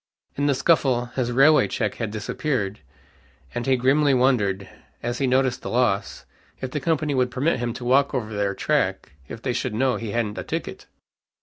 In the scuffle, his railway check had disappeared, and he grimly wondered, as he noticed the loss, if the company would permit him to walk over their track if they should know he hadn't a ticket.